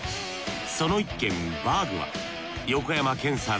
その一軒バーグは横山剣さん